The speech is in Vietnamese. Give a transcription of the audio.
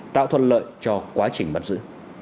tạo thuận lợi cho quá trình bắt giữ